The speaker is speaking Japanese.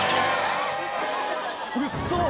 ・ウソ！